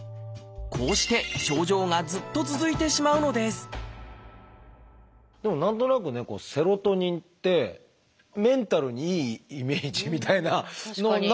こうして症状がずっと続いてしまうのですでも何となくねセロトニンってメンタルにいいイメージみたいな何となく頭の中に。